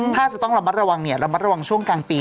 ถ้าจะต้องระมัดระวังระมัดระวังช่วงกลางปี